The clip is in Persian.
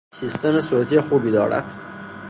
سیستم صوتی خوبی دارد.